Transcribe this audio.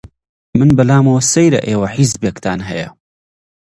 من بە لامەوە سەیرە ئێوە حیزبێکتان هەیە!